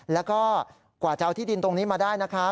แล้วก็กว่าจะเอาที่ดินตรงนี้มาได้นะคะ